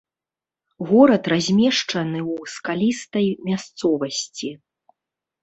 Горад размешчаны ў скалістай мясцовасці.